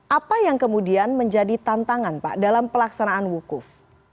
apa yang kemudian menjadi tantangan pak dalam pelaksanaan wukuf